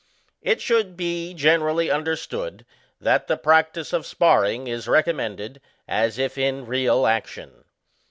It should be generally understood that the practice of SPARRING is recommended, as if in real action.